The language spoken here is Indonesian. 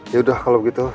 yaudah kalau begitu